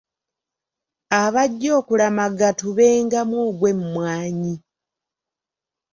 Abajja okulamaga tubengamu ogw’emmwanyi.